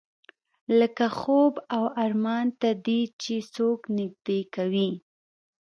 لکه خوب او ارمان ته دې چې څوک نږدې کوي.